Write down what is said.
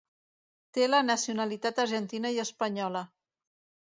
Té la nacionalitat argentina i espanyola.